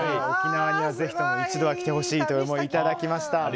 沖縄にはぜひとも一度は来てほしいという言葉をいただきました。